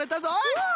うん！